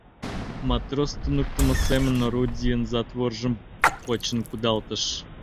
Матрос туныктымо семын орудийын затворжым почын кудалтыш.